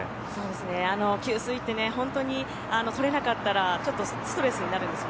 給水ってほんとにとれなかったらちょっとストレスになるんですね。